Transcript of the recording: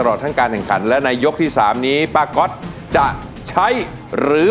ซาวน์ซาวน์ซาวน์ซาวน์ซาวน์ซาวน์ซาวน์ซาวน์ซาวน์ซาวน์